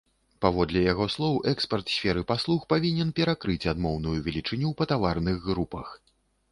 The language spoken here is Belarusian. Паводле яго слоў, экспарт сферы паслуг павінен перакрыць адмоўную велічыню па таварных групах.